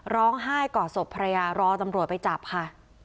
ร้องไห้ก่อศพภรรยารอตำรวจไปจับค่ะ